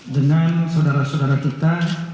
dengan saudara saudara kita